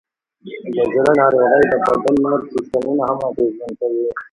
د زړه ناروغۍ د بدن نور سیستمونه هم اغېزمن کوي.